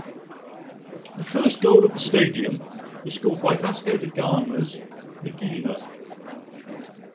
The first goal of the stadium was scored by Vasco da Gama's Niginho.